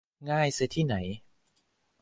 ง่ายซะที่ไหน